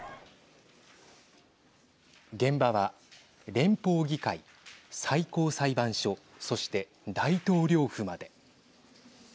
現場は連邦議会、最高裁判所そして大統領府まで。